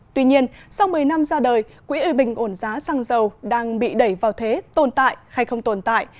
tuy nhiên sau một mươi năm ra đời quỹ bình ổn giá xăng dầu đang bị đẩy vào thế tồn tại hay không tồn tại